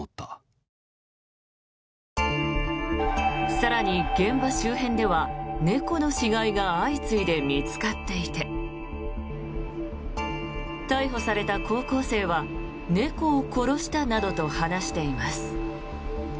更に、現場周辺では猫の死骸が相次いで見つかっていて逮捕された高校生は猫を殺したなどと話しています。